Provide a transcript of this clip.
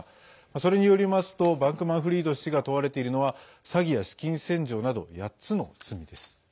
それによりますとバンクマンフリード氏が問われているのは詐欺や資金洗浄など８つの罪です。